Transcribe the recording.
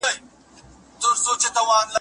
نه د اسلام جنګ دی او نه هم د کتاب جنګ دی